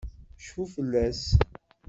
Cfu fell-as!